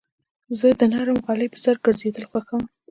زه د نرم غالۍ پر سر ګرځېدل خوښوم.